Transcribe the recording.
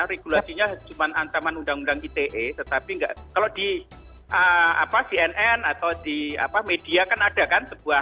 regulasinya cuma ancaman undang undang ite tetapi kalau di cnn atau di media kan ada kan sebuah